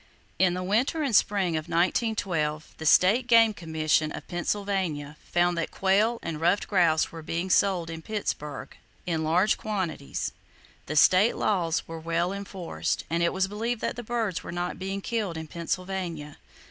In the winter and spring of 1912 the State Game Commission of Pennsylvania found that quail and ruffed grouse were being sold in Pittsburgh, in large quantities. The state laws were well enforced, and it was believed that the birds were not being killed in Pennsylvania.